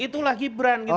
itulah gibran gitu